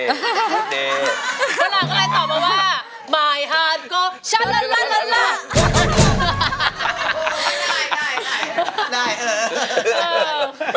คนหลังก็ตอบมาว่ามายฮารก็ชันละล่ะล่ะล่ะ